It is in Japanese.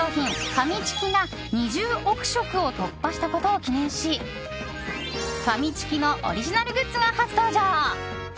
ファミチキが２０億食を突破したことを記念しファミチキのオリジナルグッズが初登場。